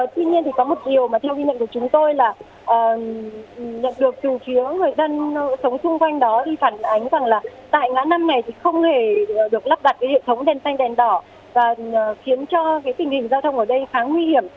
tuy nhiên thì có một điều mà theo ghi nhận của chúng tôi là nhận được từ phía người dân sống chung quanh đó thì phản ánh rằng là tại ngã năm này thì không hề được lắp đặt cái hệ thống đèn xanh đèn đỏ và khiến cho tình hình giao thông ở đây khá nguy hiểm